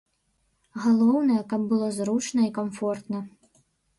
Галоўнае, каб было зручна і камфортна.